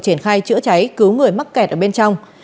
triển khai chữa cháy cứu người mắc kẹt ở bên trong